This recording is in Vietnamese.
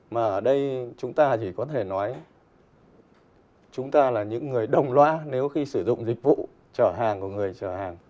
mà ở đây chúng ta chỉ có thể nói chúng ta là những người đồng loa nếu khi sử dụng dịch vụ chở hàng của người chở hàng